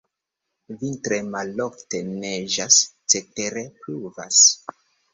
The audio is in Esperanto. Vintre malofte neĝas, cetere pluvas.